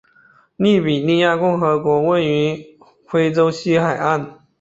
利比里亚共和国位于非洲西海岸。